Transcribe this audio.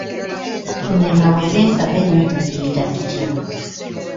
Ennyama bweba ensava nnyo tugiyita tutya?